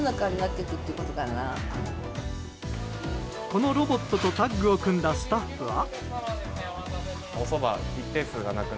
このロボットとタッグを組んだスタッフは。